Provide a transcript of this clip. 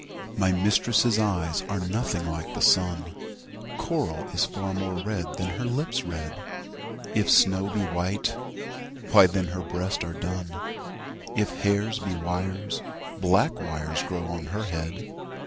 MY mistress' eyes are nothing like the sun; Coral is far more red than her lips' red; If snow be white, why then her breasts are dun; If hairs be wires, black wires grow on her head.